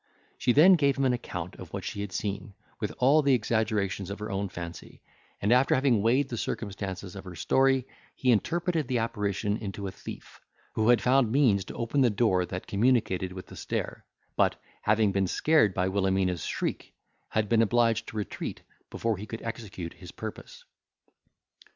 She then gave him an account of what she had seen, with all the exaggerations of her own fancy, and, after having weighed the circumstances of her story, he interpreted the apparition into a thief, who had found means to open the door that communicated with the stair; but, having been scared by Wilhelmina's shriek, had been obliged to retreat before he could execute his purpose.